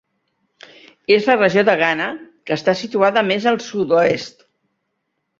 És la regió de Ghana que està situada més al sud-oest.